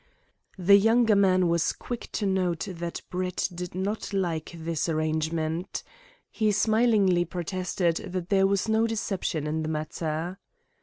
The younger man was quick to note that Brett did not like this arrangement. He smilingly protested that there was no deception in the matter.